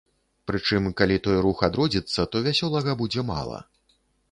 Прычым, калі той рух адродзіцца, то вясёлага будзе мала.